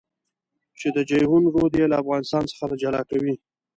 چې د جېحون رود يې له افغانستان څخه جلا کوي.